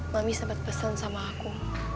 mami sempat pesen sama aku